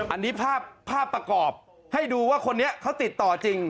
อันนี้ภาพประกอบให้ดูว่าคนนี้เขาติดต่อจริง